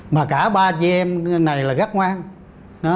mà cả ba chị em này là rất ngoan